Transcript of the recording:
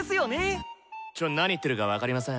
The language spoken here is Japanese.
ちょっと何言ってるか分かりません。